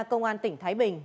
cơ quan tỉnh thái bình